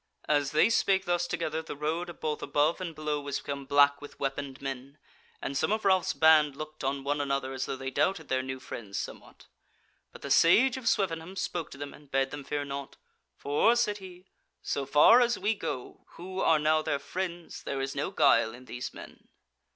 As they spake thus together the road both above and below was become black with weaponed men, and some of Ralph's band looked on one another, as though they doubted their new friends somewhat. But the Sage of Swevenham spoke to them and bade them fear nought. "For," said he, "so far as we go, who are now their friends, there is no guile in these men."